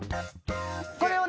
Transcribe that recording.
これをね